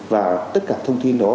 và tất cả thông tin đó